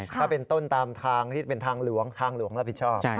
ถ้าเป็นต้นตามทางที่เป็นทางหลวงทางหลวงรับผิดชอบ